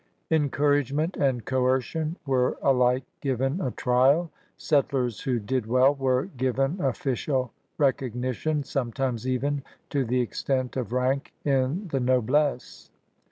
Encouragement and coercion were alike given a trial. Settlers who did well were given o£Bicial recognition, sometimes even to the extent of rank in the noblesse.